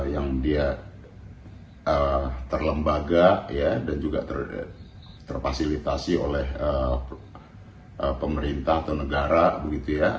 yang dia terlembaga dan juga terfasilitasi oleh pemerintah atau negara begitu ya